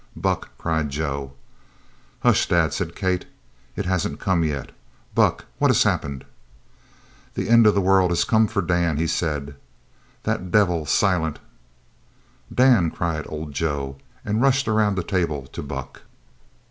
"Buck!" cried Joe. "Hush! Dad," said Kate. "It hasn't come yet! Buck, what has happened?" "The end of the world has come for Dan," he said. "That devil Silent " "Dan," cried old Joe, and rushed around the table to Buck.